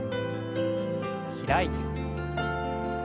開いて。